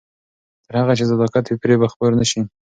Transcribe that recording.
تر هغه چې صداقت وي، فریب به خپور نه شي.